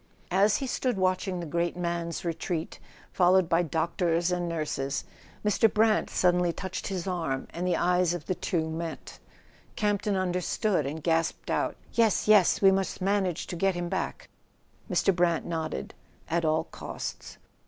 As he stood watching the great man's retreat, followed by doctors and nurses, Mr. Brant suddenly touched his arm, and the eyes of the two met. Campton understood and gasped out: "Yes, yes; we must manage to get him back." Mr. Brant nodded. "At all costs."